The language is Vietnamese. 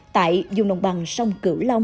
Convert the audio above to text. tại vùng đồng bằng sông cửu long